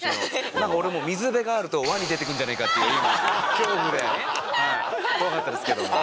なんか俺もう水辺があるとワニ出てくるんじゃねえかって今恐怖で怖かったですけども。